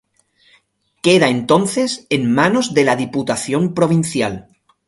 Queda entonces en manos de la Diputación Provincial.